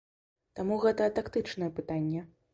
Таму гэта тактычнае пытанне.